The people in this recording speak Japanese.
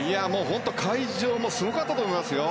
本当に会場もすごかったと思いますよ。